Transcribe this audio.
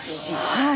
はい。